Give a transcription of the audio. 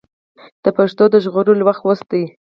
د پښتو د ژغورلو وخت اوس دی.